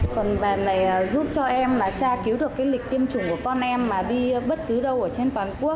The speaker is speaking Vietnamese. còn bài này giúp cho em tra cứu được lịch tiêm chủng của con em mà đi bất cứ đâu ở trên toàn quốc